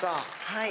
はい。